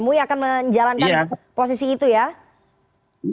mui akan menjalankan posisi itu ya